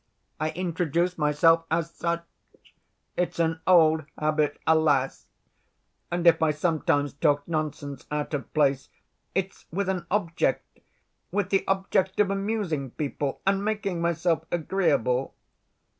I introduce myself as such. It's an old habit, alas! And if I sometimes talk nonsense out of place it's with an object, with the object of amusing people and making myself agreeable.